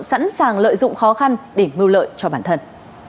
sẵn sàng lợi dụng khó khăn để mưu lợi cho bản thân